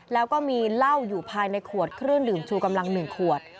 แล้วก็มีเหล้าอยู่ภายในขวดเครื่องดื่มชูกำลัง๑ขวด